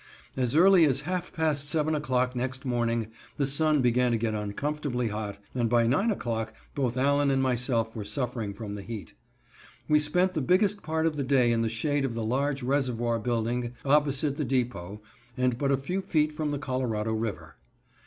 As early as half past seven o'clock next morning the sun began to get uncomfortably hot, and by nine o'clock both Allen and myself were suffering from the heat. We spent the biggest part of the day in the shade of the large Reservoir building opposite the depot, and but a few feet from the Colorado River.